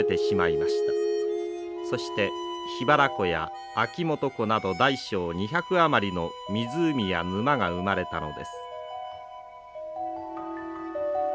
そして桧原湖や秋元湖など大小２００余りの湖や沼が生まれたのです。